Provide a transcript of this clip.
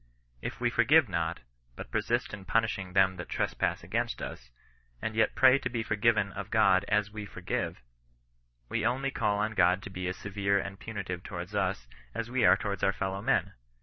If we forgive not, but persist in punish ing them that trespass against us, and yet pray to be forgiven of (Jod as we forgive^ we only call on God to be as severe and punitive towards us, as we are towards our fellow men.